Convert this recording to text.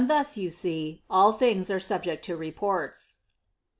^ you see, all things are subject to reports."'